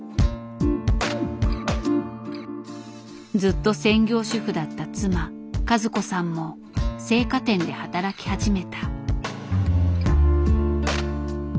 ずっと専業主婦だった妻和子さんも青果店で働き始めた。